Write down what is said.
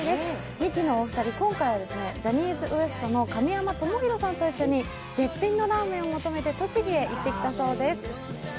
ミキのお二人、今回はジャニーズＷＥＳＴの神山智洋さんと一緒に絶品のラーメンを求めて栃木へ行ってきたそうです。